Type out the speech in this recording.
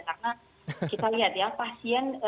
karena kita lihat ya pasien